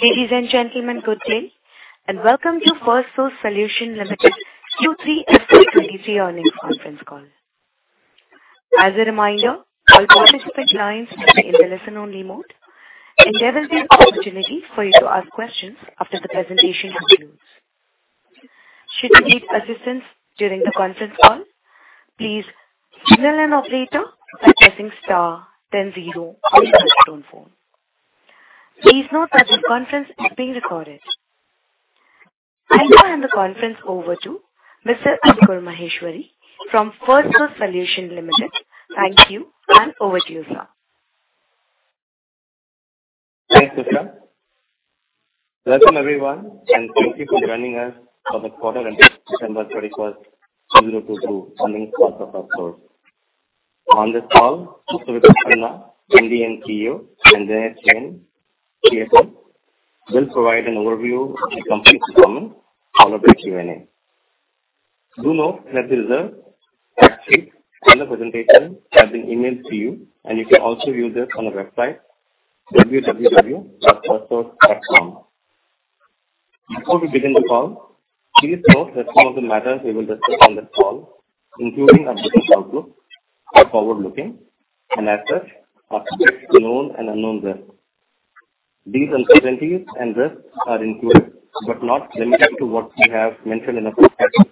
Ladies and gentlemen, good day, and welcome to Firstsource Solutions Limited Q3 FY23 earnings conference call. As a reminder, all participant lines are in the listen-only mode, and there will be opportunity for you to ask questions after the presentation concludes. Should you need assistance during the conference call, please signal an operator by pressing star then zero on your telephone. Please note that the conference is being recorded. I'll hand the conference over to Mr. Ankur Maheshwari from First source Solutions Limited. Thank you, and over to you, sir. Thanks, Sister. Welcome, everyone. Thank you for joining us for the quarter ended December 31st, 2022 earnings call for First source. On this call, Vipul Khanna, MD & CEO, and Dinesh Jain, CFO, will provide an overview of the company's performance followed by Q&A. Do note that the reserve fact sheet and the presentation have been emailed to you, and you can also view this on the website www.firstsource.com. Before we begin the call, please note that some of the matters we will discuss on this call, including our business outlook, are forward-looking and as such are subject to known and unknown risks. These uncertainties and risks are included, but not limited to, what we have mentioned in our prospects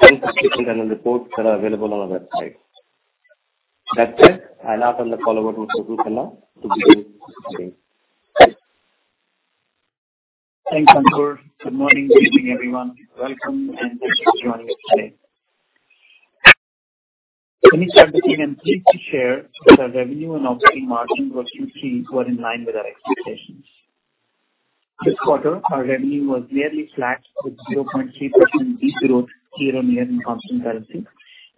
and the reports that are available on our website. That said, I now turn the call over to Vipul Khanna to begin his presentation. Thanks, Ankur. Good morning, good evening, everyone. Welcome, and thanks for joining us today. I'm pleased to share that our revenue and operating margin for Q3 were in line with our expectations. This quarter our revenue was nearly flat with 0.3% decrease growth year-on-year in constant currency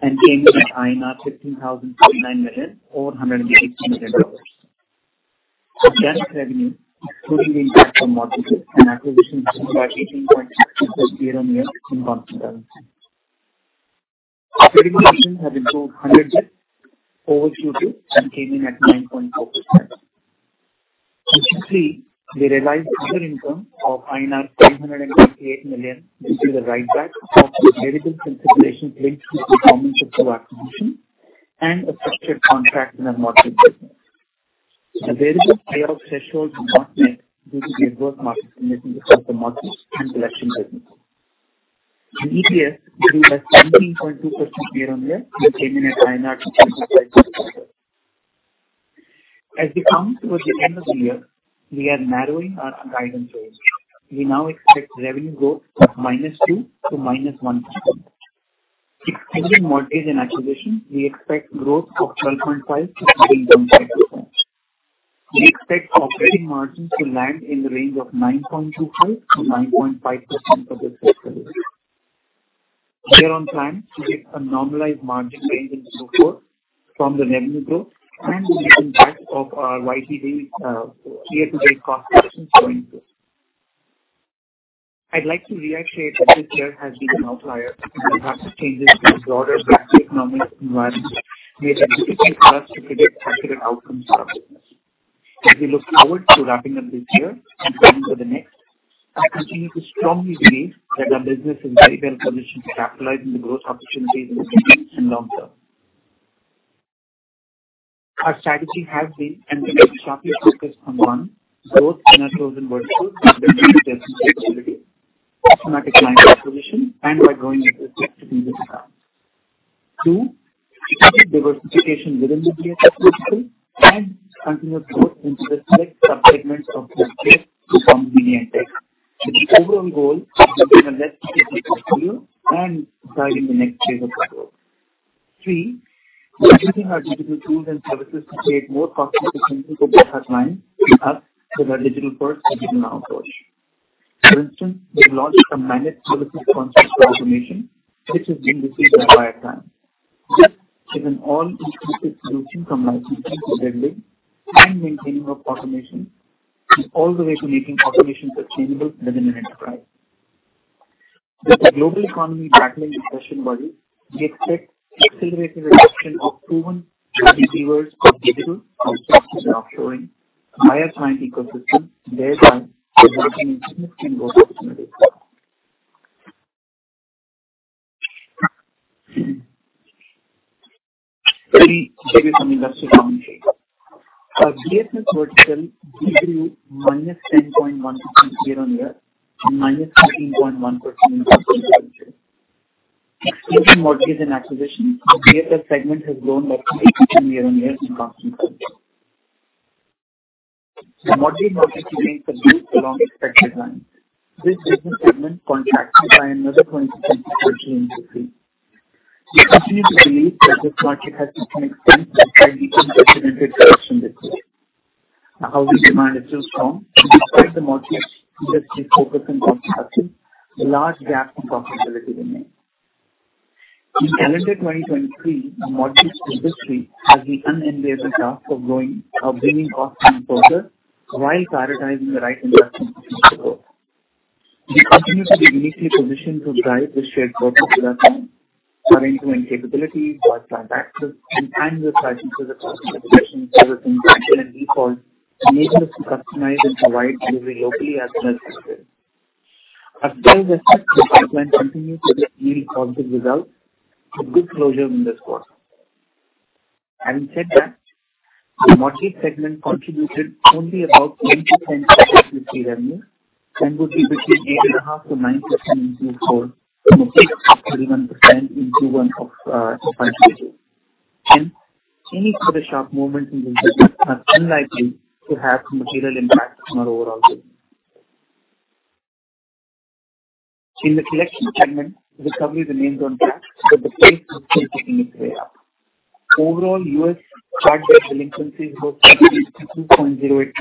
and came in at INR 15,029 million or $160 million. Organic revenue, excluding the impact from mortgages and acquisitions, grew by 18.6% year-on-year in constant currency. Our credit ratios have improved hundredth over Q2 and came in at 9.4%. In Q3, we realized other income of INR 358 million due to the write back of the variable consideration linked to the Commonwealth Bank acquisition and a structured contract in our mortgage business. The variable payoff threshold was not met due to the adverse market conditions across the mortgage and collection business. In EPS, we grew by 17.2% year-on-year and came in at INR 255. As we come towards the end of the year, we are narrowing our guidance range. We now expect revenue growth of -2% to -1%. Excluding mortgage and acquisition, we expect growth of 12.5% to 13.5%. We expect operating margin to land in the range of 9.25% to 9.5% for this fiscal year. We are on time to hit a normalized margin range in Fiscal four from the revenue growth and the impact of our YTD year-to-date cost actions coming through. I'd like to reiterate that this year has been an outlier due to drastic changes in the broader macroeconomic environment made it difficult for us to predict accurate outcomes for our business. As we look forward to wrapping up this year and planning for the next, I continue to strongly believe that our business is very well positioned to capitalize on the growth opportunities in the medium- and long-term. Our strategy has been and will be sharply focused on, one, growth in our chosen verticals where we see decent flexibility, systematic client acquisition, and by growing our presence through this route. Two, strategic diversification within the BPO vertical and continued growth into the select subsegments of tech through Convivia and Tek with the overall goal of becoming a lifestyle digital studio and driving the next phase of our growth. Three, we're using our digital tools and services to create more cost efficiency for both our clients and us with our digital-first and digital-now approach. For instance, we've launched a managed services concept for automation, which is being received by our clients. This is an all-inclusive solution from licensing to delivery and maintaining of automation, and all the way to making automation sustainable within an enterprise. With the global economy battling recession worries, we expect accelerated adoption of proven deliverers of digital, outsourcing and offshoring via client ecosystem, thereby leveraging business and growth opportunities. Let me give you some industry commentary. Our BPO vertical grew -10.1% year-on-year and -13.1% in constant currency. Excluding mortgages and acquisitions, our BPO segment has grown by 20% year-on-year in constant currency. The mortgage market remains subdued along expected lines. This business segment contracted by another 0.7% in Q3. We continue to believe that this market has just been affected by the unprecedented growth from this year. Our housing demand is still strong, and despite the mortgage industry's focus on cost cuts, a large gap in profitability remains. In calendar 2023, our mortgage industry has the unenviable task of bringing costs down further while prioritizing the right investments into growth. Continue to be uniquely positioned to drive the shared growth with our clients. Our implement capability, broad client access, and timeless passion for the customer solutions, service, intention, and default enable us to customize and provide delivery locally as well as globally. Against this, the pipeline continues to get really positive results with good closure in this quarter. Having said that, the mortgage segment contributed only about 20% of FC revenue and will be between 8.5%-9% into four from a peak of 31% into one of in five Q2. Any further sharp movements in this business are unlikely to have material impact on our overall business. In the collection segment, recovery remains on track, but the pace is still picking its way up. Overall, U.S. charge-off delinquencies were 13%-2.08%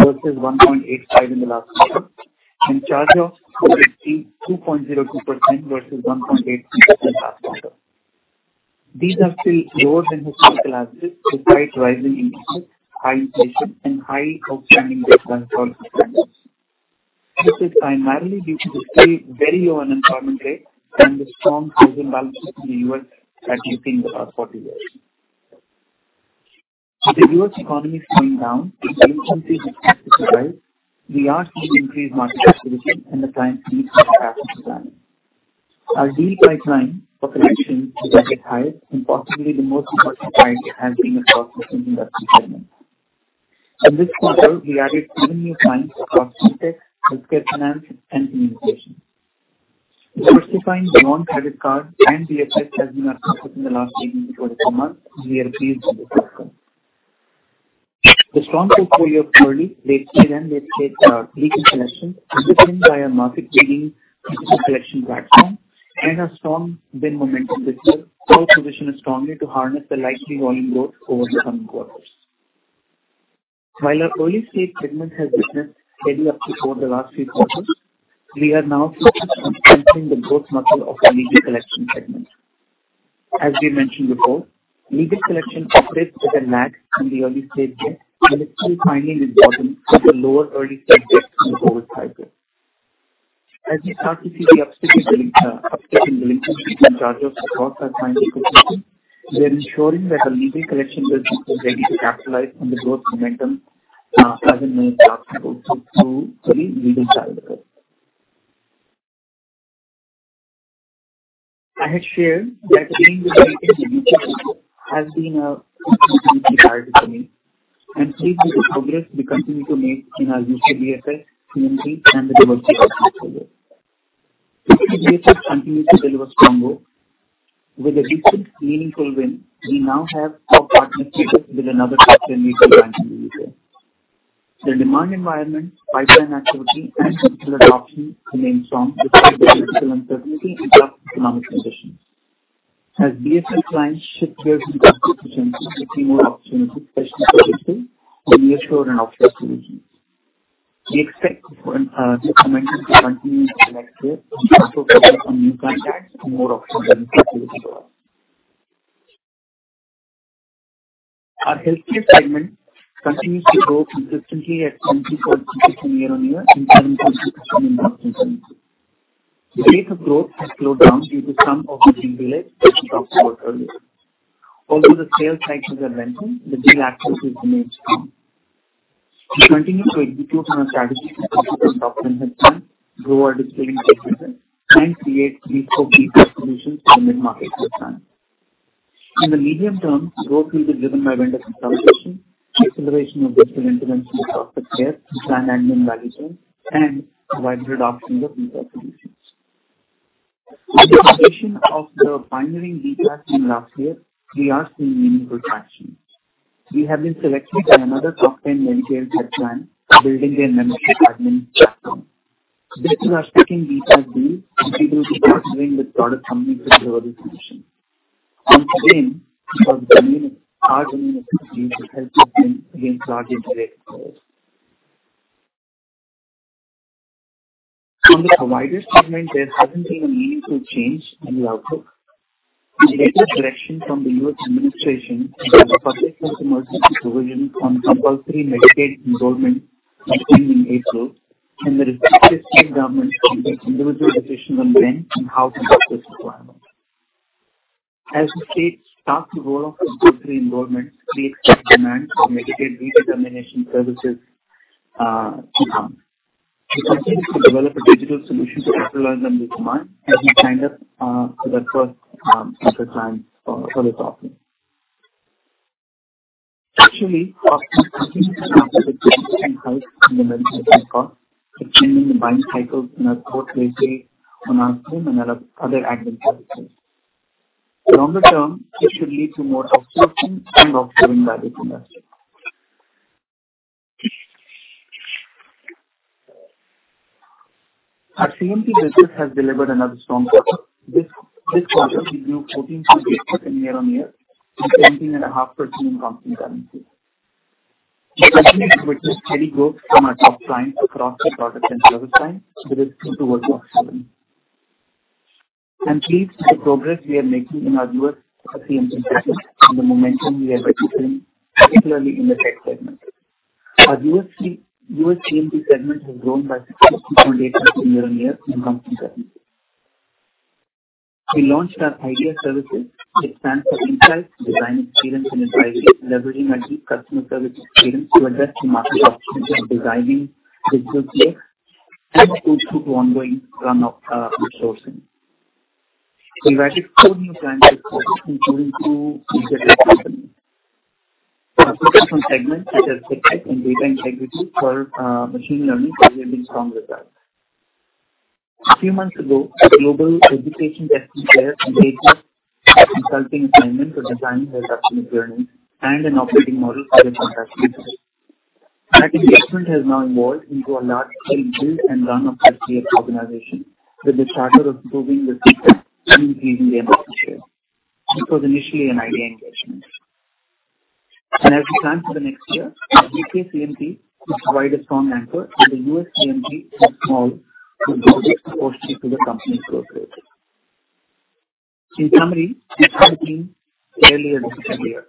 versus 1.85% in the last quarter. Charge-offs were 18 2.02% versus 1.86% in the last quarter. These are still lower than historical averages despite rising interest, high inflation, and high outstanding debt balance for our customers. This is primarily due to the still very low unemployment rate and the strong saving balances in the U.S. that we've seen in the past 40 years. With the U.S. economy slowing down and delinquencies expected to rise, we are seeing increased market activity and the clients need for capacity planning. Our deal by client for collection is at its highest, and possibly the most important sign has been across different industry segments. In this quarter, we added 7 new clients across FinTech, healthcare finance, and communications. Diversifying beyond credit card and BSS has been our focus in the last 18-24 months, and we are pleased with this outcome. The strong portfolio of early late-stage and late-stage legal in collection facilitated by our market-leading digital collection platform and a strong win momentum this year so position us strongly to harness the likely volume growth over the coming quarters. While our early-stage segment has witnessed steady ups before the last few quarters, we are now focused on entering the growth muscle of our legal collection segment. As we mentioned before, legal collection operates with a lag from the early stage debt, and it's still finding its bottom with a lower early stage debt in the COVID cycle. As we start to see the upstate in delinquencies and charge-offs across our client ecosystem, we are ensuring that our legal collection business is ready to capitalize on the growth momentum as and when it starts to go through three legal cycles. I had shared that dealing with B2B has been a consistent priority for me and pleased with the progress we continue to make in our B2B BSS, CMT, and the diversity of portfolio. B2B BSS continues to deliver strong growth. With a recent meaningful win, we now have four partnerships with another top 10 mutual bank in the USA. The demand environment, pipeline activity, and digital adoption remain strong despite the political uncertainty and tough economic conditions. As BSS clients shift gears into growth potential, we see more opportunities, especially for digital, on the East Coast and offshore regions. We expect this momentum to continue into the next year as we also focus on new contracts for more opportunities to deliver. Our healthcare segment continues to grow consistently at 24% year-on-year in current currency and constant exchange rates. The rate of growth has slowed down due to some of the wind delays that we talked about earlier. Although the sales cycles are lengthened, the deal access remains strong. We continue to execute on our strategy to focus on top end head count, grow our distilling capability, and create B2B solutions for the mid-market with time. In the medium term, growth will be driven by vendor consolidation, acceleration of digital interventions across the care through client admin value chain, and provider adoption of B2B solutions. With the completion of The Banyan DI-TAP team last year, we are seeing meaningful traction. We have been selected by another top 10 Medicare health plan for building their membership admin platform. This is our second DI-TAP deal and we will be partnering with product companies to deliver this solution. Once again, because of our unique capabilities that helps us win against larger, direct players. On the provider segment, there hasn't been a meaningful change in the outlook. We get a direction from the U.S. administration where the public health emergency provision on compulsory Medicaid enrollment ends in April, and the respective state governments can make individual decisions on when and how to meet this requirement. As the states start to roll off the group reimbursement, we expect demand for Medicaid redetermination services to come. We continue to develop a digital solution to capitalize on this demand as we signed up our first major client for this offering. Actually, costs continue to come under the price and height in the membership costs, changing the buying cycle in our core trade day on our claim and other admin services. Longer term, this should lead to more upsourcing and offshoring value for us. Our CMT business has delivered another strong quarter. This quarter, we grew 14.8% year-on-year and 17.5% in constant currency. We continue to witness steady growth from our top clients across our product and service line with a two to one cross-selling. I'm pleased with the progress we are making in our U.S. CMP business and the momentum we are witnessing, particularly in the tech segment. Our U.S. CMP segment has grown by 60% year-on-year in constant currency. We launched our IDEA services, which stands for Insights, Design, Experience, and Advisory, leveraging our deep customer service experience to address the market opportunities in designing digital CX and of course through ongoing run resourcing. We've added four new clients this quarter, including two Fortune 500. Our focus on segments such as FinTech and data integrity for machine learning delivered strong results. A few months ago, a global education testing player engaged us with a consulting assignment to design their customer journey and an operating model for their contact center. That engagement has now evolved into a large-scale build and run of their CX organization with the charter of improving their CX and increasing their market share. This was initially an IDEA engagement. As we plan for the next year, our UK CMT will provide a strong anchor for the U.S. CMP platform to build its footprint for the company's growth rate. We had a clean tail end of the fiscal year.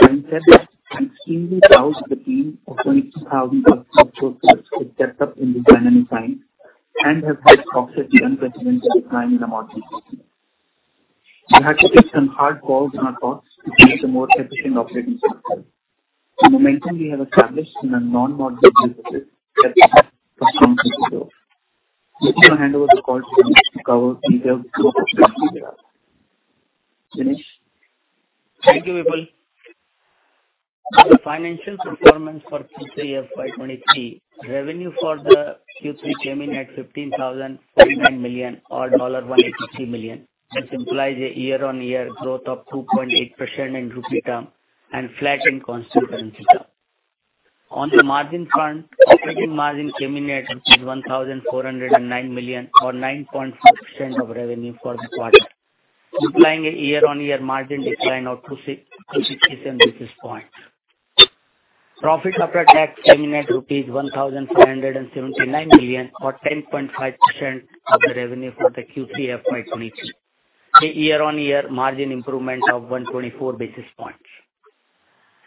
Since then, we've keenly doused the team of 22,000+ associates with depth up in design and science, and have helped profit the unprecedented time in the market history. We had to take some hard calls on our costs to create a more efficient operating structure. The momentum we have established in a non-market difficult has been a strong proof. With that, I'll hand over the call to Dinesh to cover detailed growth of CMP. Dinesh. Thank you, Vipul. The financial performance for Q3 FY23, revenue for the Q3 came in at 15,049 million or $183 million, which implies a year-on-year growth of 2.8% in rupee term and flat in constant currency term. On the margin front, operating margin came in at 1,409 million or 9.6% of revenue for the quarter, implying a year-on-year margin decline of 267 basis points. Profit after tax came in at rupees 1,479 million or 10.5% of the revenue for the Q3 FY23, a year-on-year margin improvement of 124 basis points.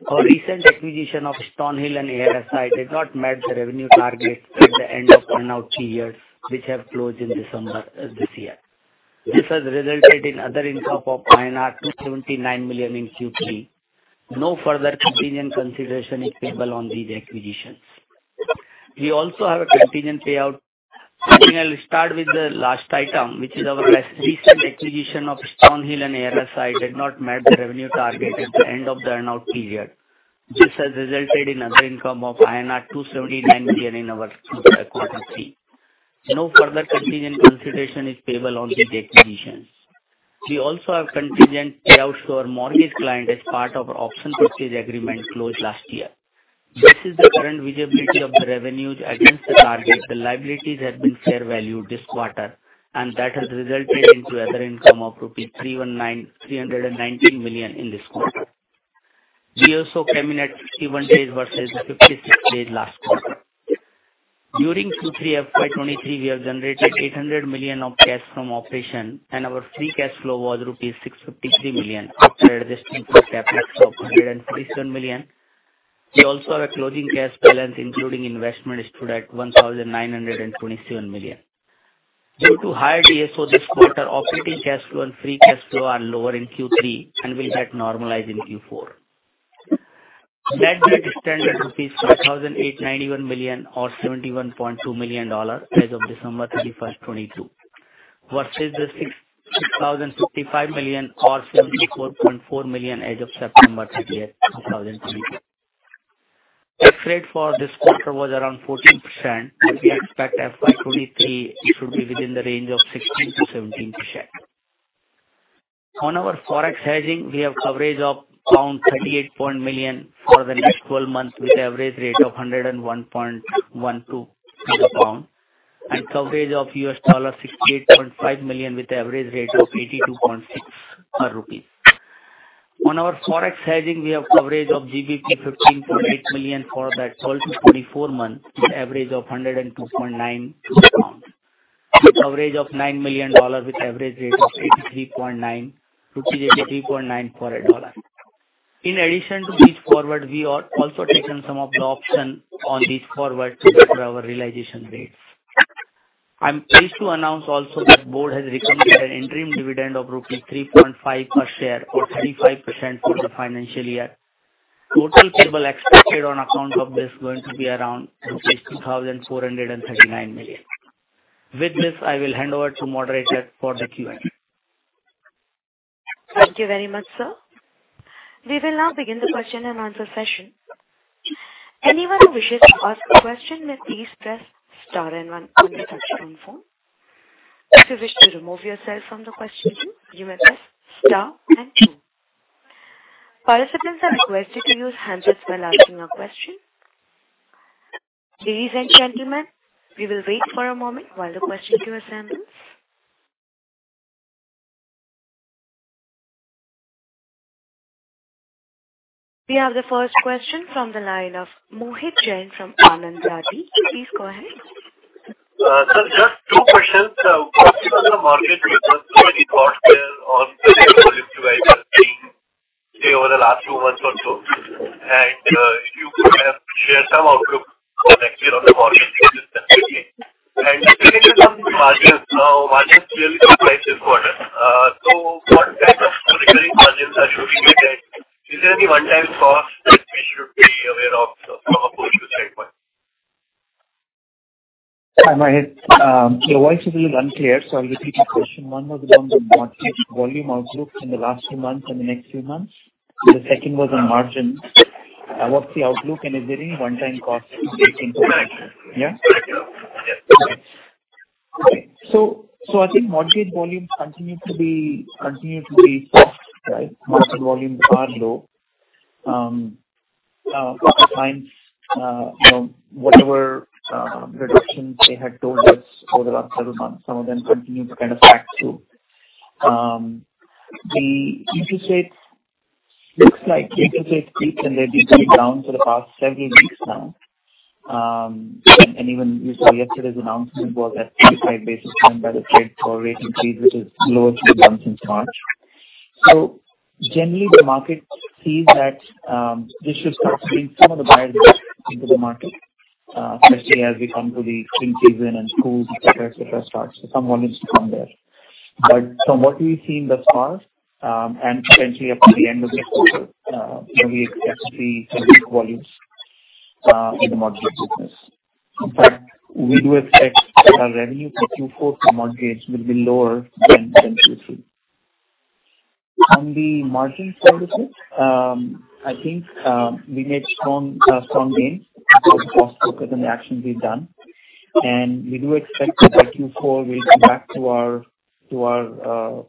Our recent acquisition of StoneHill and ARSI did not meet the revenue target at the end of burn-out years, which have closed in December this year. This has resulted in other income of 279 million in Q3. No further contingent consideration is payable on these acquisitions. We also have a contingent payout. I'll start with the last item, which is our recent acquisition of StoneHill and ARSI did not meet the revenue target at the end of the earn-out period. This has resulted in other income of INR 279 million in our quarter fee. No further contingent consideration is payable on these acquisitions. We also have contingent payouts to our mortgage client as part of our option purchase agreement closed last year. This is the current visibility of the revenues against the target. The liabilities have been fair value this quarter, and that has resulted into other income of 319 million in this quarter. We also came in at 61 days versus 56 days last quarter. During Q3 FY23, we have generated 800 million of cash from operation. Our free cash flow was rupees 653 million after adjusting for CapEx of 137 million. We also have a closing cash balance, including investment, stood at 1,927 million. Due to higher DSO this quarter, operating cash flow and free cash flow are lower in Q3 and will get normalized in Q4. Debt net is standing at rupees 4,891 million or $71.2 million as of December 31, 2022 versus 6,055 million or $74.4 million as of September 30, 2022. Tax rate for this quarter was around 14%. We expect FY23 should be within the range of 16%-17%. On our Forex hedging, we have coverage of 38 million for the next 12 months with average rate of 101.12 per pound and coverage of $68.5 million with average rate of 82.6 per INR. On our Forex hedging, we have coverage of GBP 15.8 million for the 12 to 24 months with average of 102.9 per pound and coverage of $9 million with average rate of 83.9 for a dollar. In addition to these forward, we are also taking some of the option on these forward to better our realization rates. I'm pleased to announce also that board has recommended an interim dividend of rupees 3.5 per share or 35% for the financial year. Total payable expected on account of this is going to be around 62,439 million. With this, I will hand over to moderator for the Q&A. Thank you very much, sir. We will now begin the question and answer session. Anyone who wishes to ask a question may please press star and one on your touchtone phone. If you wish to remove yourself from the question queue, you may press star and two. Participants are requested to use handsets while asking a question. Ladies and gentlemen, we will wait for a moment while the questions are assembled. We have the first question from the line of Mohit Jain from Anand Rathi. Please go ahead. Just two questions. First on the market, because so many thoughts were on the table, if you guys are seeing, say, over the last two months or so. You could share some outlook connected on the market specifically. Second is on margins. Margins clearly look price important. What kind of recurring margins are you looking at? Is there any one-time costs that we should be aware of from a push statement? Hi, Mohit. Your voice is a little unclear, so I'll repeat your question. One was around the mortgage volume outlook in the last few months and the next few months. The second was on margins. What's the outlook and is there any one-time costs to build into that? Correct. Yeah. Correct. Yes. Okay. I think mortgage volumes continue to be soft, right? Mortgage volumes are low. Customer finds, you know, whatever, reductions they had told us over the last several months, some of them continue to kind of factor. The interest rates looks like interest rates peaked and they've been coming down for the past several weeks now. Even you saw yesterday's announcement was at 35 basis points by the Fed for rate increase, which is lowest we've been since March. Generally the market sees that, this should start to bring some of the buyers back into the market, especially as we come to the spring season and schools, et cetera, et cetera, start. Some volumes to come there. From what we've seen thus far, and potentially up to the end of this quarter, you know, we expect to see some peak volumes in the mortgage business. In fact, we do expect our revenue for Q4 for mortgage will be lower than Q3. On the margin side of things, I think we made strong gains with the cost structure and the actions we've done. We do expect that by Q4 we'll come back to our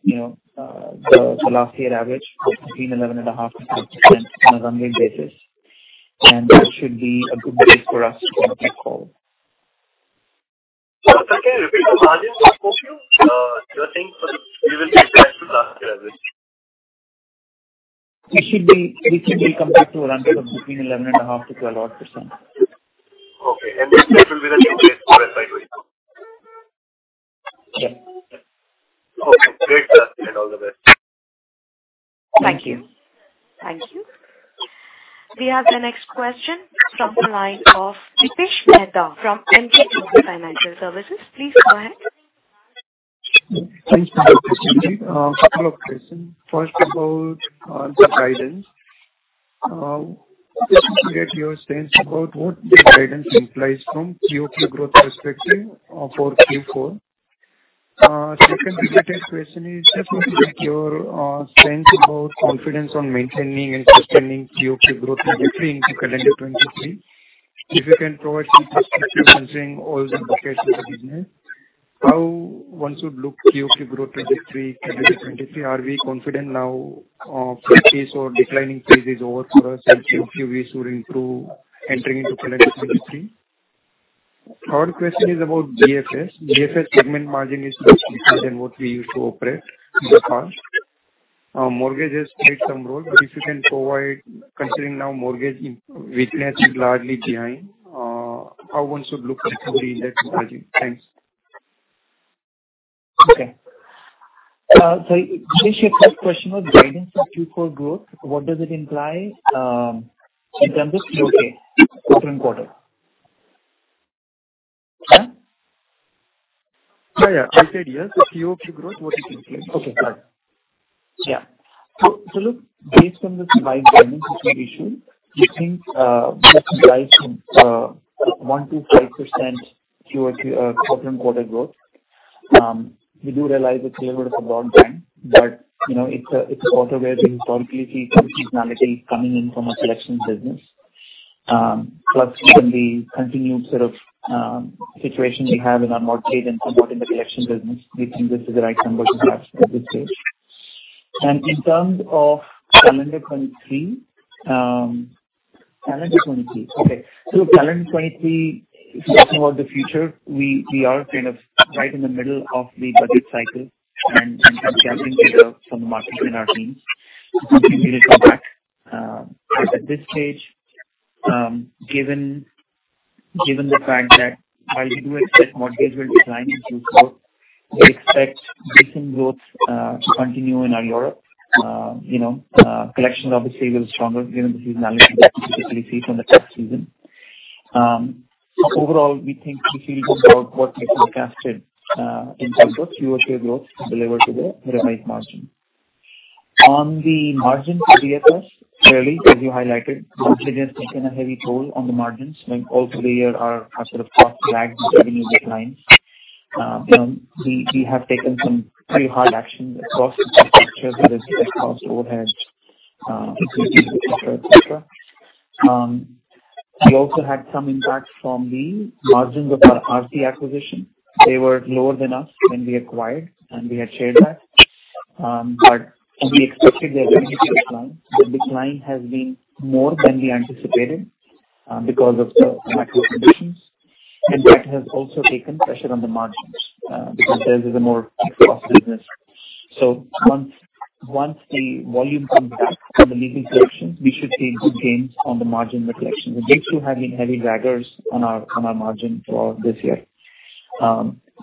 you know the last year average between 11.5%-12% on a run rate basis. That should be a good base for us going into Q4. Can you repeat the margin outlook? You're saying so we will be back to last year average? We should be compared to a run rate of between 11.5%-12% odd percent. Okay. This will be the same base for FY22? Yeah. Okay. Great, sir. All the best. Thank you. Thank you. We have the next question from the line of Dipesh Mehta from Emkay Global Financial Services. Please go ahead. Thanks. Dipesh Mehta. Couple of questions. First of all, the guidance, just to get your sense about what the guidance implies from QOQ growth perspective for Q4. Second related question is just what is your sense about confidence on maintaining and sustaining QOQ growth trajectory into calendar 2023. If you can provide some perspective considering all the markets in the business, how one should look QOQ growth trajectory calendar 2023. Are we confident now of flat case or declining phase is over for us and QOQ we should improve entering into calendar 2023? Third question is about BFS. BFS segment margin is much weaker than what we used to operate thus far. Mortgages played some role. If you can provide considering now mortgage weakness is largely behind, how one should look at recovery in that margin? Thanks. Okay. Sorry, Dipesh, your first question was guidance for Q4 growth, what does it imply, in terms of QOQ, quarter-on-quarter? Huh? Yeah, yeah. I said, yes, the QOQ growth, what it implies. Okay, got it. Yeah. look, based on the slide guidance which we issued, we think that implies some 1%-5% QOQ quarter-on-quarter growth. We do realize it's a little bit of a broad band, but you know, it's a quarter where we historically see seasonality coming in from a collections business. plus given the continued sort of situation we have in our mortgage and support in the collections business, we think this is the right number to have at this stage. In terms of calendar 2023, calendar 2023. Okay. Calendar 2023, if you're talking about the future, we are kind of right in the middle of the budget cycle and have gathered data from the market and our teams. We will come back. At this stage, given the fact that while we do expect mortgage will decline in Q4, we expect decent growth to continue in our year-up. You know, collections obviously will be stronger given the seasonality that we typically see from the tax season. Overall, we think we feel good about what we forecasted in terms of QOQ growth delivered to the revised margin. On the margin for BFS, clearly, as you highlighted, mortgages taken a heavy toll on the margins when all through the year our sort of cost lagged the revenue declines. You know, we have taken some pretty hard action across the cost structure, whether it's head count, overhead, equipment, et cetera, et cetera. We also had some impact from the margins of our RT acquisition. They were lower than us when we acquired, and we had shared that. We expected their revenue to decline. The decline has been more than we anticipated because of the macro conditions. That has also taken pressure on the margins because theirs is a more fixed cost business. Once the volume comes back from the legal collections, we should see good gains on the margin collections. The dates were having heavy daggers on our margin throughout this year.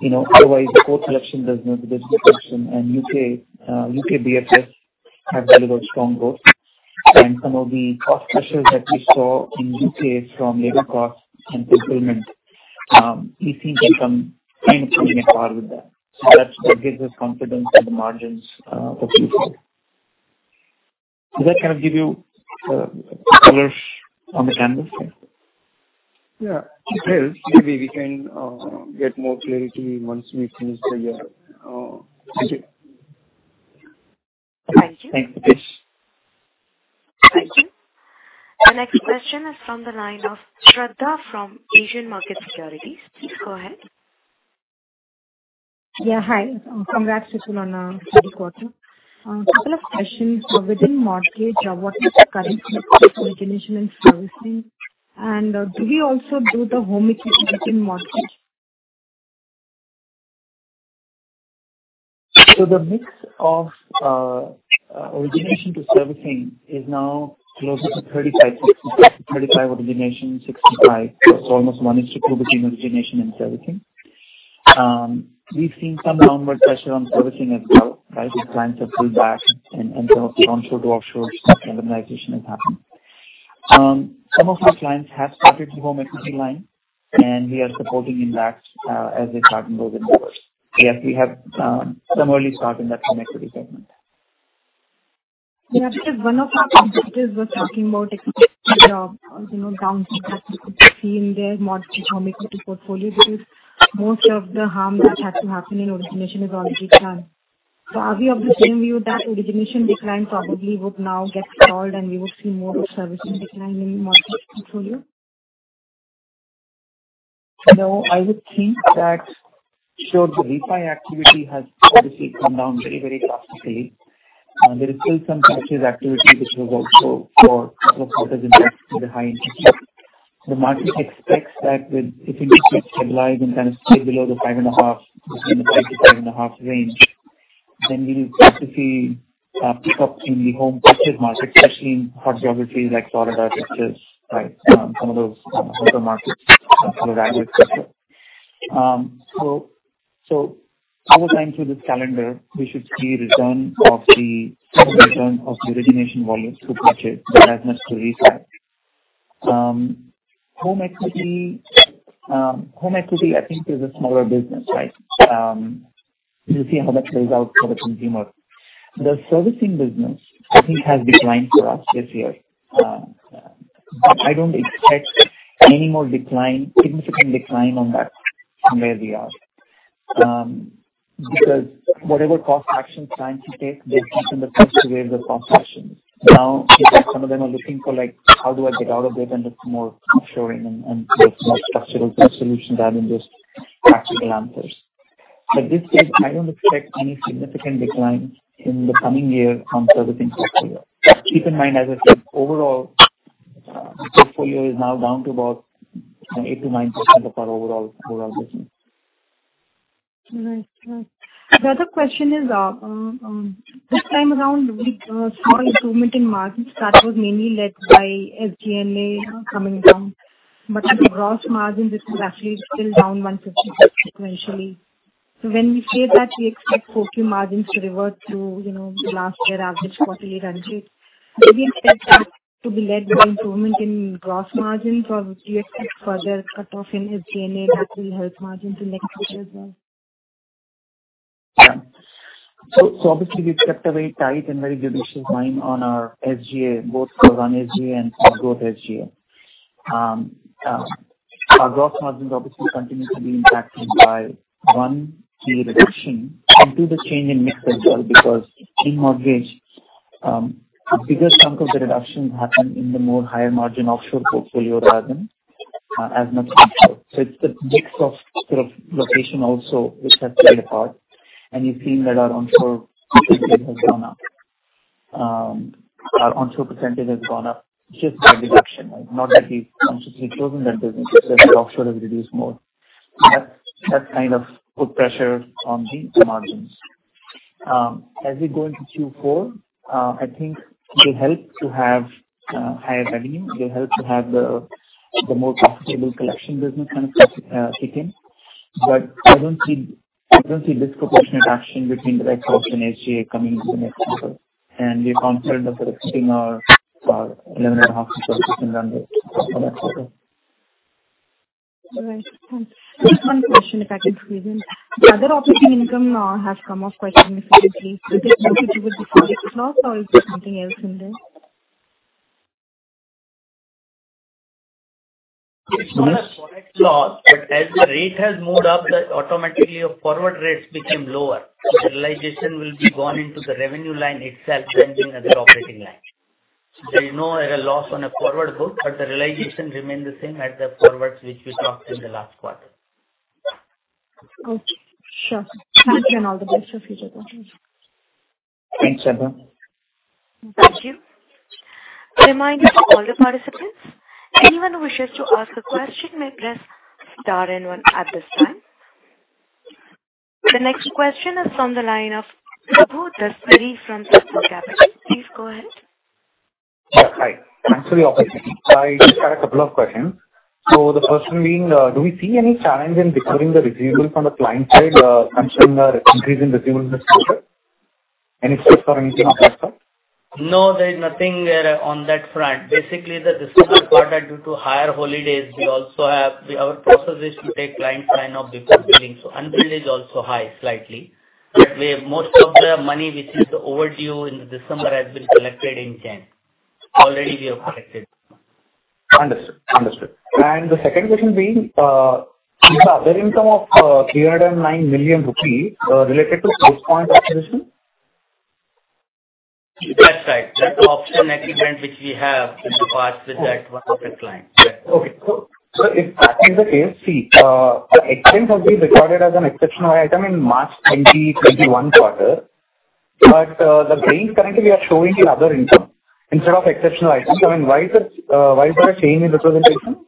You know, otherwise the core collection does not. There's the collection and UK BFS have delivered strong growth and some of the cost pressures that we saw in UK from labor costs and fulfillment, we seem to have come kind of closing a par with that. That's what gives us confidence in the margins for future. Does that kind of give you colors on the canvas? Yeah. It helps. Maybe we can get more clarity once we finish the year. Thank you. Thanks, Dipesh. Thank you. The next question is from the line of Shraddha from Asian Markets Securities. Please go ahead. Yeah. Hi. Congrats to you on a good quarter. couple of questions. Within mortgage, what is the current mix of origination and servicing? do we also do the home equity within mortgage? The mix of origination to servicing is now closer to 35, 65. 35 origination, 65. Almost one is to two between origination and servicing. We've seen some downward pressure on servicing as well, right? As clients have pulled back and some of the onshore to offshore stuff randomization has happened. Some of our clients have started the home equity line, and we are supporting in that as they start and build it forward. Yes, we have some early start in that home equity segment. Yeah. Just one of our competitors was talking about, you know, downside that we could be seeing there, mortgage home equity portfolio because most of the harm that had to happen in origination is already done. Are we of the same view that origination decline probably would now get stalled and we would see more of servicing decline in the mortgage portfolio? I would think that sure the refi activity has obviously come down very, very drastically. There is still some purchase activity which will go for two quarters in rest to the high interest rates. The market expects that if interest rates stabilize and kind of stay below the 5.5, between the 5-5.5 range, then we'll start to see a pick up in the home purchase market, especially in hot geographies like Salt Lake, which is, right, some of those other markets, some of the graduate sector. Over time through this calendar, we should see a return of the origination volumes to purchase but as much to refi. Home equity, home equity I think is a smaller business, right? We'll see how that plays out for the consumer. The servicing business I think has declined for us this year. I don't expect any more decline, significant decline on that from where we are. Because whatever cost actions clients will take, they've taken the first wave of cost actions. Now, in fact some of them are looking for, like, how do I get out of it, and there's more offshoring and there's more structural solutions rather than just tactical answers. This stage I don't expect any significant decline in the coming year from servicing portfolio. Keep in mind, as I said, overall, the portfolio is now down to about, 8% to 9% of our overall business. Right. The other question is, this time around the small improvement in margin start was mainly led by SG&A coming down. The gross margin, this is actually still down 150 sequentially. When we say that we expect 4Q margins to revert to, you know, last year average quarterly run rate, do we expect that to be led by improvement in gross margins or do you expect further cut off in SG&A that will help margins in next quarters as well? Obviously we've kept a very tight and very judicious line on our SGA, both for run SGA and for growth SGA. Our gross margins obviously continue to be impacted by one, key reduction, and two, the change in mix as well because in mortgage, the bigger chunk of the reductions happen in the more higher margin offshore portfolio rather than as much onshore. It's the mix of sort of location also which has played a part. You've seen that our onshore percentage has gone up. Our onshore percentage has gone up just by reduction. Like, not that we've consciously chosen that business, it's just that offshore has reduced more. That kind of put pressure on the margins. As we go into Q4, I think it will help to have higher revenue. It will help to have the more profitable collection business kind of press kick in. I don't see disproportionate action between the right portion SG&A coming into the next quarter. We're confident of sort of keeping our 11.5% in run rate for next quarter. All right. Thanks. Just one question if I can squeeze in. The other operating income has come off quite significantly. Is it mostly with the forex loss or is there something else in this? It's not a Forex loss, but as the rate has moved up, the automatically your forward rates become lower. The realization will be gone into the revenue line itself than being as an operating line. There is no loss on a forward book, the realization remain the same as the forwards which we talked in the last quarter. Okay. Sure. Thanks and all the best for future quarters. Thanks, Shraddha. Thank you. Reminder to all the participants, anyone who wishes to ask a question may press star and one at this time. The next question is from the line of Prabhu Dasari from Prabhudas Lilladher. Please go ahead. Yeah, hi. Thanks for the opportunity. I just had a couple of questions. The first one being, do we see any challenge in recovering the receivables on the client side, considering the increase in receivables this quarter? Any steps or anything of that sort? No, there is nothing there on that front. Basically, the receivables quarter due to higher holidays, we also have. Our process is to take client sign-off before billing. Unbilled is also high slightly, but we have most of the money which is overdue in December has been collected in January. Already we have collected. Understood. The second question being, is the other income of 309 million rupees related to BasePoint acquisition? That's right. That's the option at event which we have to part with that one of the clients, yeah. If that is the case, see, the expense has been recorded as an exceptional item in March 2021 quarter. The gains currently are showing in other income instead of exceptional items. I mean, why is it, why is there a change in representation?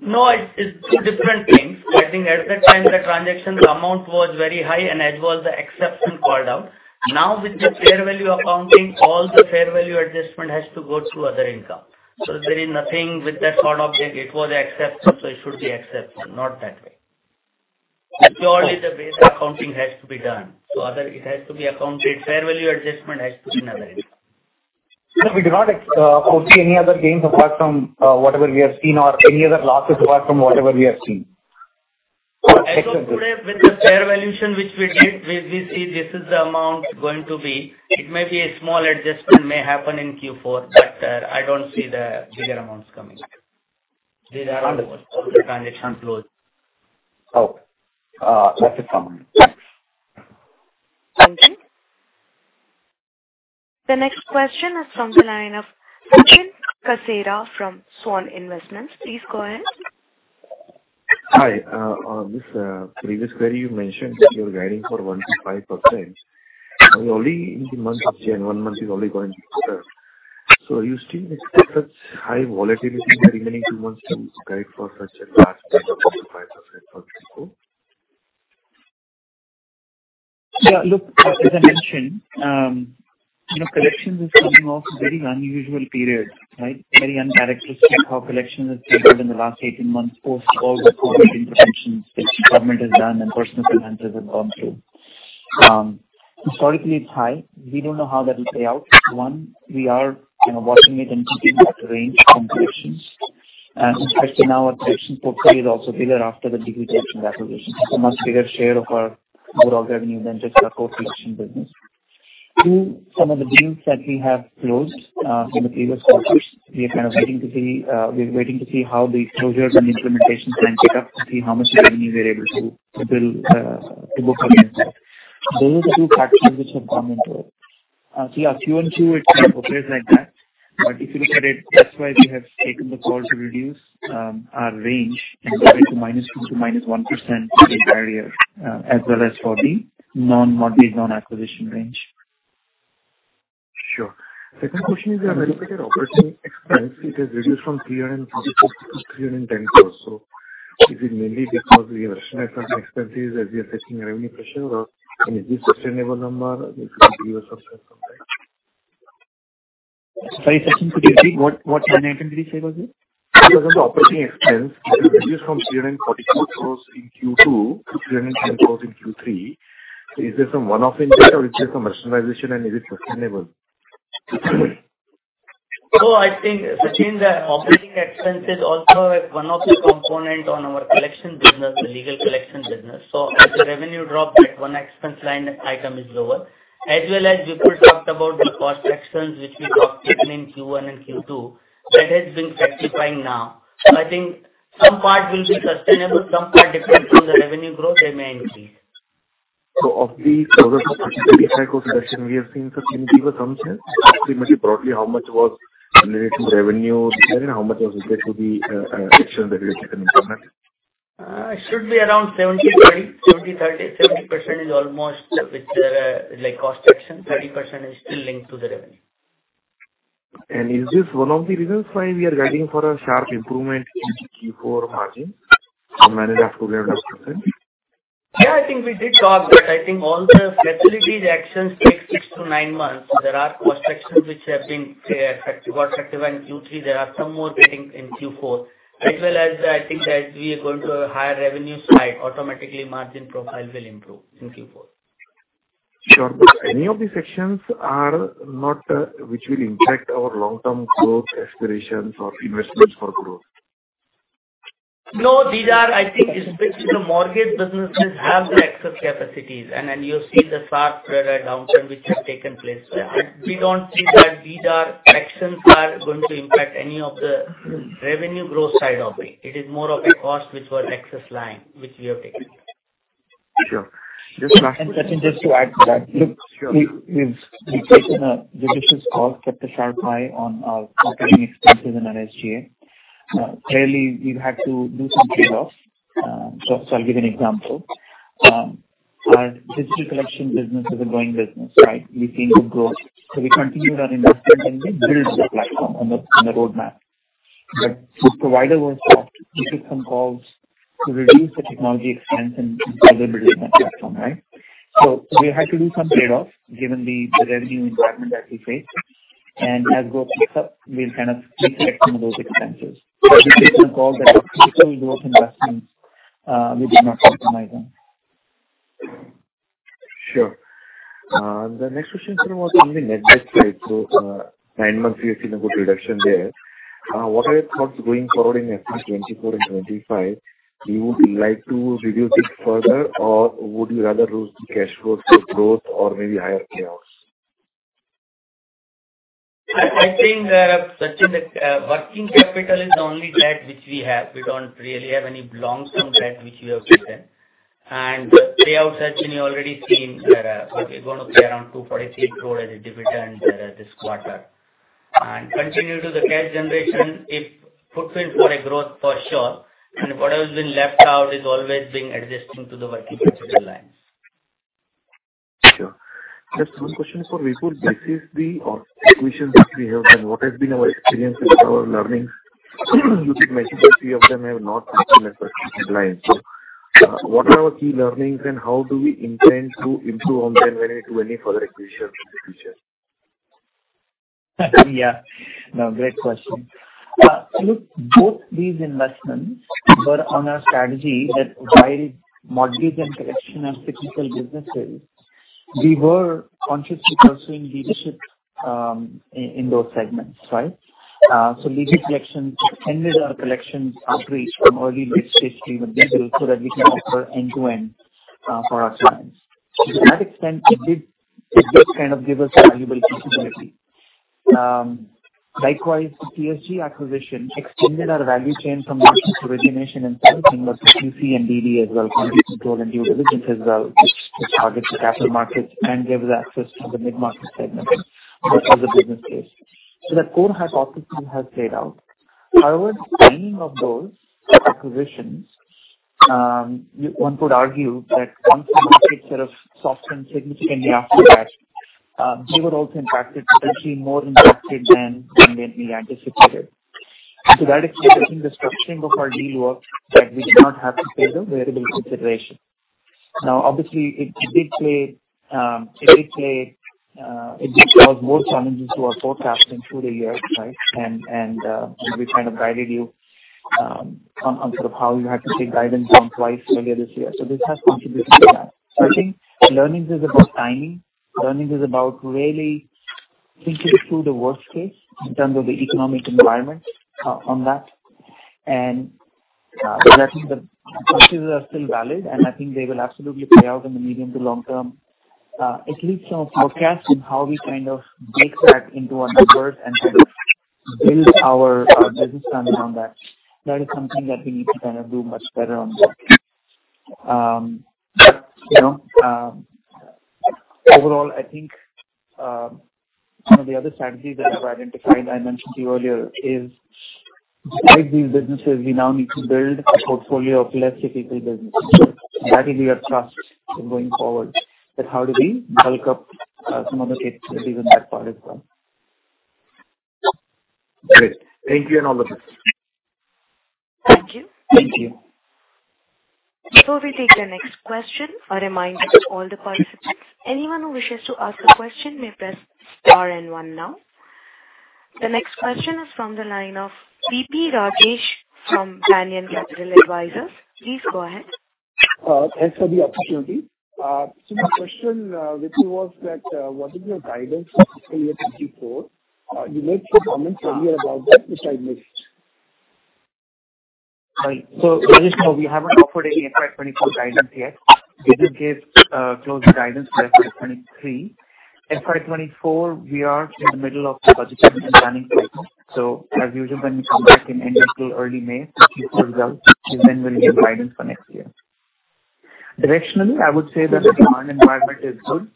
No, it's two different things. I think at that time the transaction amount was very high and as well the exception called out. Now with the fair value accounting, all the fair value adjustment has to go through other income. There is nothing with that sort of it. It was exception, it should be exception. Not that way. It's purely the way the accounting has to be done. It has to be accounted. Fair value adjustment has to be in other income. We do not foresee any other gains apart from whatever we have seen or any other losses apart from whatever we have seen. As of today with the fair valuation which we did, we see this is the amount going to be. It may be a small adjustment may happen in Q4. I don't see the bigger amounts coming. These are all the transaction closed. Okay. That's it from me. Thanks. Thank you. The next question is from the line of Sachin Kasera from Swan Investments. Please go ahead. Hi. on this, previous query, you mentioned that you're guiding for 1%-5%. Are you only in the month of January, 1 month is only going to close up. You still expect such high volatility in the remaining two months to guide for such a large range of 1%-5% for Q4? Yeah, look, as I mentioned, you know, collections is coming off very unusual period, right? Very uncharacteristic how collection has behaved in the last 18 months post all the COVID interventions which government has done and personal finances have gone through. Historically it's high. We don't know how that will play out. One, we are, you know, watching it and keeping it at range from collections. Especially now our collection portfolio is also bigger after the DB collections acquisition. It's a much bigger share of our overall revenue than just our core collection business. Two, some of the deals that we have closed from the previous quarters, we are kind of waiting to see, we're waiting to see how the closures and implementations can pick up to see how much revenue we're able to bill to book against that. Those are the two factors which have come into it. QOQ, it kind of operates like that. If you look at it, that's why we have taken the call to reduce our range and go into -2% to -1% for the entire year, as well as for the non-mortgage, non-acquisition range. Sure. Second question is, I looked at your operating expense. It has reduced from INR 344 crore to INR 310 crore. Is it mainly because we have rationalized our expenses as we are facing revenue pressure or is this sustainable number sometimes? Sorry, Sachin, could you repeat? What line item did you say was it? It was on the operating expense. It reduced from 344 crores in Q2 to 310 crores in Q3. Is there some one-off impact or is there some rationalization and is it sustainable? I think, Sachin, the operating expense is also one of the component on our collection business, the legal collection business. As the revenue dropped, that one expense line item is lower. As well as we could talk about the cost actions which we took taken in Q1 and Q2. That has been rectifying now. I think some part will be sustainable, some part depends on the revenue growth, they may increase. Of the total cost reduction we have seen, Sachin, give us some sense. Just give me broadly how much was related to revenue decline and how much was related to the action that you had taken internally? It should be around 70/30. 70/30. 70% is almost with the, like, cost action. 30% is still linked to the revenue. Is this one of the reasons why we are guiding for a sharp improvement in Q4 margin on managed FPO we have discussed then? I think we did talk that I think all the flexibility actions take six-nine months. There are cost actions which have been effective. Were effective in Q3. There are some more waiting in Q4. I think that we are going to have higher revenue side. Automatically margin profile will improve in Q4. Sure. Any of these actions are not which will impact our long-term growth aspirations or investments for growth. I think especially the mortgage businesses have the excess capacities and you've seen the sharp credit downturn which has taken place. We don't see that these are actions are going to impact any of the revenue growth side of it. It is more of a cost which was excess lying, which we have taken. Sure. Just. Sachin, just to add to that. Sure. Look, we've taken a judicious call, kept a sharp eye on our operating expenses and our SGA. Clearly we've had to do some trade-offs. I'll give you an example. Our digital collection business is a growing business, right? We seem to grow. We continued our investment and we build the platform on the roadmap. The provider was soft. We took some calls to reduce the technology expense and further build on that platform, right? We had to do some trade-offs given the revenue environment that we faced. As growth picks up, we'll kind of reflect some of those expenses. We took some calls that critical growth investments, we did not optimize them. Sure. The next question for you was on the net debt side. Nine months we have seen a good reduction there. What are your thoughts going forward in FY24 and FY25? You would like to reduce it further, or would you rather use the cash flows for growth or maybe higher payouts? I think, such as the working capital is the only debt which we have. We don't really have any long-term debt which we have taken. The payouts that you've already seen, so we're gonna pay around 248 crore as a dividend, this quarter. Continue to the cash generation, it puts in for a growth for sure, and what has been left out is always being adjusting to the working capital lines. Sure. Just one question for Vipul. This is the acquisitions which we have done, what has been our experience and our learnings? You said majority of them have not been in line. What are our key learnings and how do we intend to improve on them when we do any further acquisitions in the future? No, great question. Look, both these investments were on our strategy that while mortgage and collection are cyclical businesses, we were conscious with pursuing leadership in those segments, right? Legal collections extended our collections outreach from early risk history with Bizible so that we can offer end-to-end for our clients. To that extent, it did kind of give us valuable visibility. Likewise, the TSG acquisition extended our value chain from origination and servicing of the QC and DD as well, quality control and due diligence as well, which targets the capital markets and gives access to the mid-market segment. That was the business case. The core hypothesis has played out. However, timing of those acquisitions, one could argue that once the market sort of softened significantly after that, we were also impacted, potentially more impacted than we anticipated. To that extent, I think the structuring of our deal worked that we did not have to pay the variable consideration. Now, obviously, it did play, it did cause more challenges to our forecasting through the years, right? And, we kind of guided you on sort of how you had to take guidance down twice earlier this year. This has contributed to that. I think learnings is about timing. Learnings is about really thinking through the worst case in terms of the economic environment on that. So I think the purchases are still valid, and I think they will absolutely play out in the medium to long term. It leaves some forecast in how we kind of bake that into our numbers and kind of build our business planning on that. That is something that we need to kind of do much better on that. You know, overall, I think some of the other strategies that I've identified, I mentioned to you earlier, is beside these businesses, we now need to build a portfolio of less cyclical businesses. That will be our task in going forward, is how do we bulk up some of the capabilities in that part as well. Great. Thank you and all the best. Thank you. Thank you. Before we take the next question, a reminder to all the participants. Anyone who wishes to ask a question may press star and one now. The next question is from the line of P.P. Rajesh from Canyon Capital Advisors. Please go ahead. Thanks for the opportunity. My question with you was that, what is your guidance for FY24? You made some comments earlier about that, which I missed. Right. Rajesh, no, we haven't offered any FY24 guidance yet. We did give closed guidance for FY23. FY24, we are in the middle of the budgeting and planning process. As usual, when we come back in end April, early May to keep the results, is when we'll give guidance for next year. Directionally, I would say that the demand environment is good.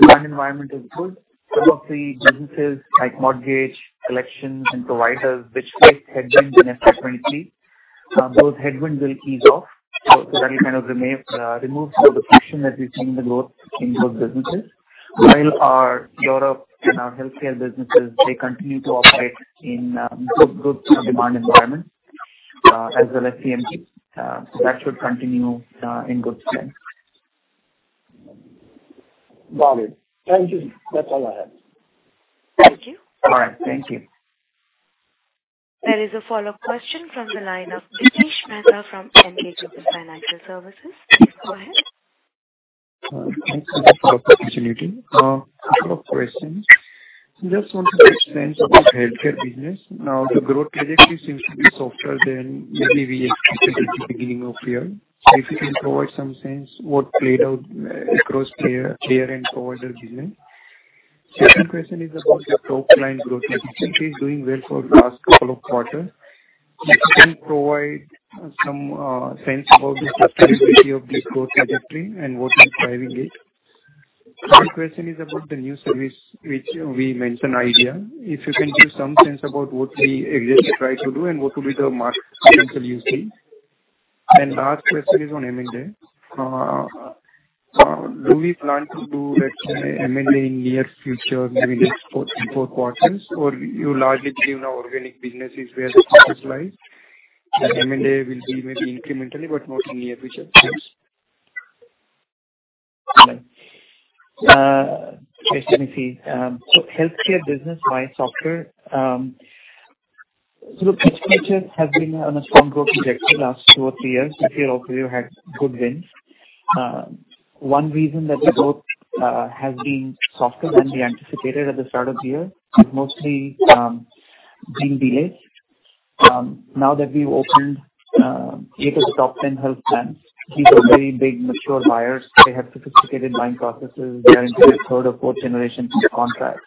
Demand environment is good. Some of the businesses like mortgage, collections and providers which faced headwinds in FY23, those headwinds will ease off. That'll kind of remain, remove some of the friction that we've seen in the growth in those businesses. While our Europe and our healthcare businesses, they continue to operate in good demand environment, as well as CMG. That should continue in good stead. Got it. Thank you. That's all I have. Thank you. All right. Thank you. There is a follow-up question from the line of Dipesh Mehta from Emkay Global Financial Services. Go ahead. Thanks for the opportunity. Couple of questions. Just wanted to understand about healthcare business. The growth trajectory seems to be softer than maybe we expected at the beginning of year. If you can provide some sense what played out across payer and provider business. Second question is about the top line growth. Efficiency is doing well for last couple of quarters. If you can provide some sense about the sustainability of this growth trajectory and what is driving it. One question is about the new service which we mentioned IDEA. If you can give some sense about what we exactly try to do and what will be the market potential you see. Last question is on M&A. Do we plan to do let's say M&A in near future, maybe next four quarters or you largely believe in our organic businesses where the focus lies and M&A will be maybe incrementally but not in near future? Yes. Just let me see. Healthcare business, why softer? Look, HPHS has been on a strong growth trajectory last two or three years. I feel also we have had good wins. One reason that the growth has been softer than we anticipated at the start of the year is mostly being delayed. Now that we've opened eight of the top 10 health plans, these are very big mature buyers. They have sophisticated buying processes. They are into a third or fourth generation contracts.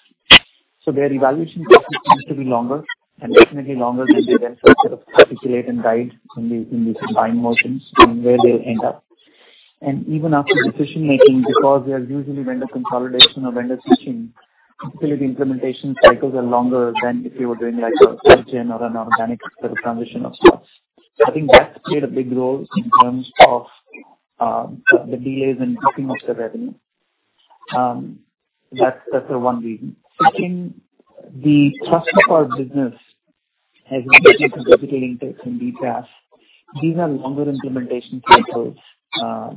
Their evaluation process tends to be longer and definitely longer than the vendor sort of articulate and guide in the buying motions and where they'll end up. Even after decision-making, because they are usually vendor consolidation or vendor switching, typically the implementation cycles are longer than if you were doing like a search engine or an organic sort of transition of sorts. I think that's played a big role in terms of the delays in booking of the revenue. That's the one reason. Second, the trust of our business has moved into digital intakes and BPaaS. These are longer implementation cycles.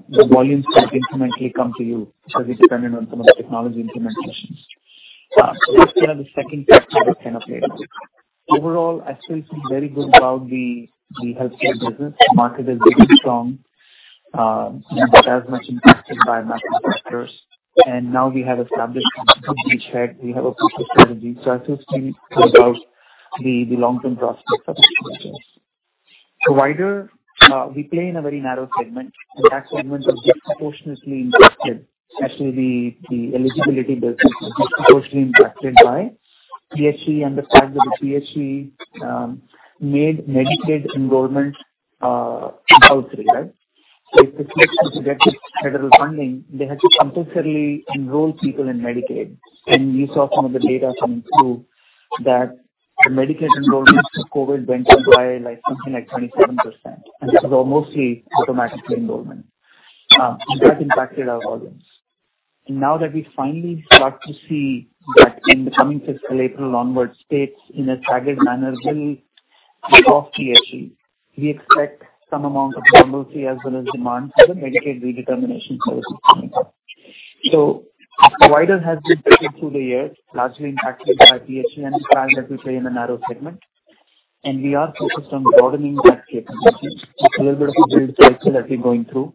The volumes that incrementally come to you shall be dependent on some of the technology implementations. That's kind of the second factor that kind of played out. Overall, I still feel very good about the healthcare business. The market is very strong, not as much impacted by macro factors. Now we have established complete share. We have a clear strategy. I still feel good about the long-term prospects of this business. Provider, we play in a very narrow segment, and that segment was disproportionately impacted. Actually, the eligibility business was disproportionately impacted by PHE and the fact that the PHE made Medicaid enrollment compulsory, right? If the states want to get this federal funding, they had to compulsorily enroll people in Medicaid. You saw some of the data from Q that the Medicaid enrollments through COVID went up by like something like 27%. This is all mostly automatic enrollment. That impacted our volumes. Now that we finally start to see that in the coming fiscal April onwards, states in a staggered manner will get off PHE. We expect some amount of normalcy as well as demand for the Medicaid redetermination services coming up. Provider has been broken through the years, largely impacted by PHE and the fact that we play in a narrow segment, and we are focused on broadening that capability. It's a little bit of a build cycle that we're going through.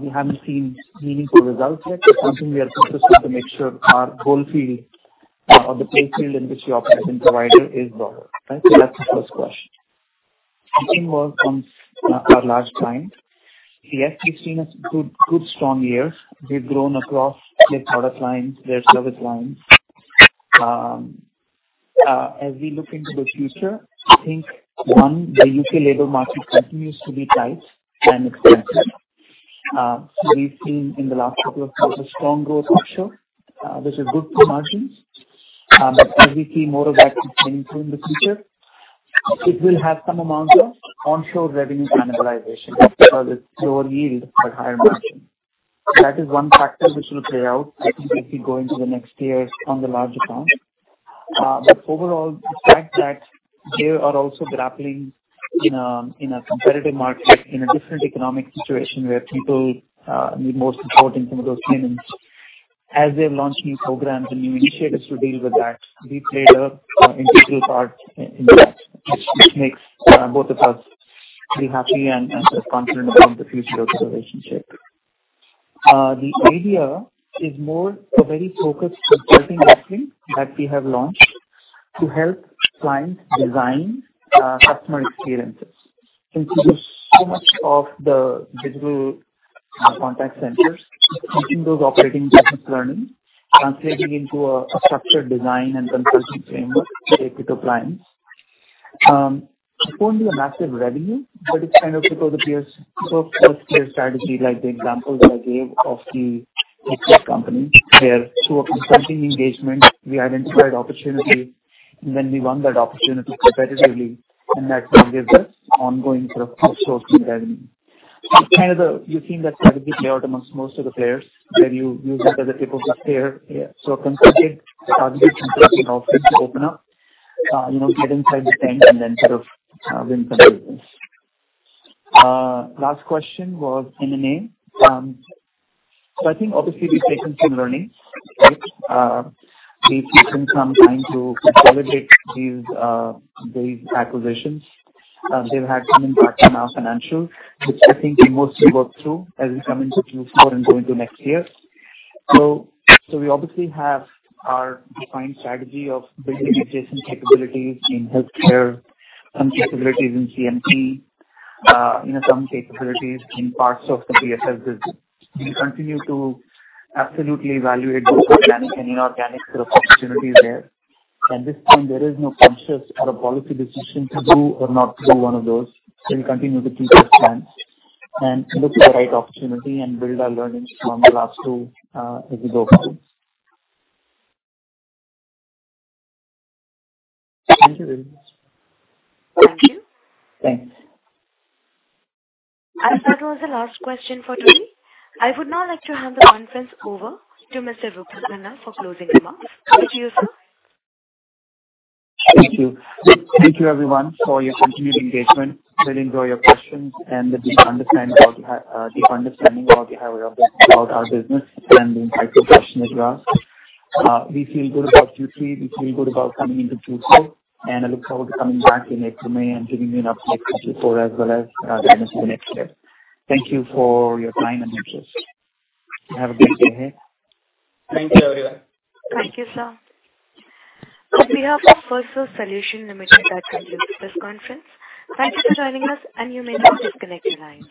We haven't seen meaningful results yet. It's something we are focused with to make sure our goal field or the play field in which we operate in provider is broader, right. That's the first question. Second was on our large client. Yes, we've seen a good strong year. We've grown across their product lines, their service lines. As we look into the future, I think, one, the U.K. labor market continues to be tight and expensive. We've seen in the last couple of quarters a strong growth offshore, which is good for margins. As we see more of that continuing through in the future, it will have some amount of onshore revenue cannibalization because it's lower yield but higher margin. That is one factor which will play out, I think, as we go into the next year on the large account. Overall, the fact that they are also grappling in a competitive market, in a different economic situation where people need more support in some of those claimants, as they launch new programs and new initiatives to deal with that, we play a integral part in that, which makes both of us pretty happy and confident about the future of the relationship. The IDEA is more a very focused consulting offering that we have launched to help clients design customer experiences. Since there's so much of the digital, contact centers, taking those operating business learnings, translating into a structured design and consulting framework, take it to clients. It won't be a massive revenue, but it's kind of because of the peers. First clear strategy, like the example that I gave of the, of that company, where through a consulting engagement, we identified opportunity, and then we won that opportunity competitively and that will give us ongoing sort of outsourcing revenue. It's kind of the routine that's probably played out amongst most of the players where you use it as a capable player. Yeah. Consulting targets interesting offerings to open up, you know, get inside the tent and then sort of, win some business. Last question was M&A. I think obviously we've taken some learnings, right? We've taken some time to consolidate these acquisitions. They've had some impact on our financials, which I think we mostly worked through as we come into Q4 and go into next year. We obviously have our defined strategy of building adjacent capabilities in healthcare, some capabilities in CMP, you know, some capabilities in parts of the BSS business. We continue to absolutely evaluate both organic and inorganic sort of opportunities there. At this point, there is no conscious or a policy decision to do or not do one of those. We'll continue to keep those plans and look for the right opportunity and build our learnings from our labs too, as we go forward. Thank you very much. Thank you. Thanks. That was the last question for today. I would now like to hand the conference over to Mr. Vipul Khanna for closing remarks. Over to you, sir. Thank you. Thank you everyone for your continued engagement. Really enjoy your questions and the deep understanding of how we are about our business and the insights you're questioning to ask. We feel good about Q3. We feel good about coming into Q4, and I look forward to coming back in April, May and giving you an update on Q4 as well as guidance for the next year. Thank you for your time and interest. Have a great day ahead. Thank you everyone. Thank you, sir. On behalf of Firstsource Solutions Limited, that concludes this conference. Thank you for joining us, and you may now disconnect your lines.